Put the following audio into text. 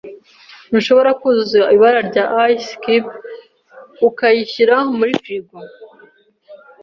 Ntushobora kuzuza ibara rya ice cube ukayishyira muri firigo?